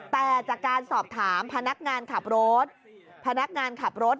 แต่จากการสอบถามทางพนักงานขับรถ